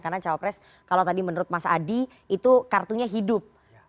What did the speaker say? karena cawapres kalau tadi menurut mas adi itu kartunya hidup